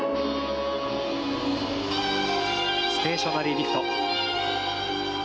ステーショナリーリフト。